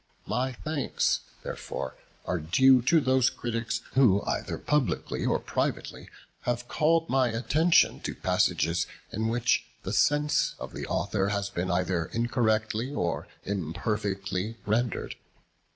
My thanks, therefore, are due to those critics, who, either publicly or privately, have called my attention to passages in which the sense of the Author has been either incorrectly or imperfectly rendered.